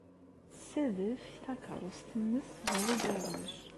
Tessadef takeṛṛust-nnes ɣer ugaṛaj.